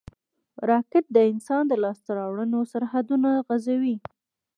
راکټ د انسان د لاسته راوړنو سرحدونه غځوي